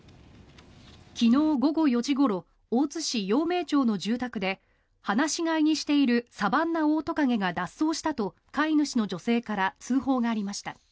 昨日午後４時ごろ大津市陽明町の住宅で放し飼いにしているサバンナオオトカゲが脱走したと飼い主の女性から通報がありました。